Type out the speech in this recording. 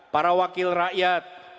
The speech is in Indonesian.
para wakil rakyat